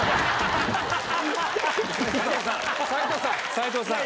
斉藤さん！